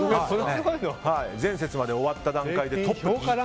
前節まで終わった段階でトップ。